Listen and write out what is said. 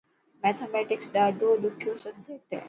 ميٿميٽڪس ڌاڏو ڏخيو سبجيڪٽ هي.